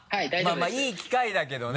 まぁいい機会だけどね。